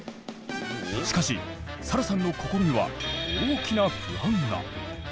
しかしサラさんの心には大きな不安が。